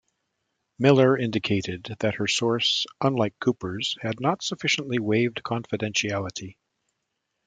Miller indicated that her source, unlike Cooper's, had not sufficiently waived confidentiality.